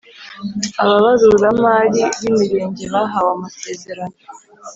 Ababaruramari b imirenge bahawe amasezerano